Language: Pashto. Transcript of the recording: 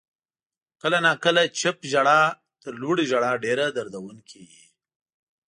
• کله ناکله چپ ژړا تر لوړې ژړا ډېره دردونکې وي.